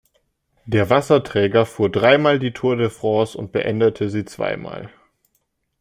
Der Wasserträger fuhr dreimal die Tour de France und beendete sie zweimal.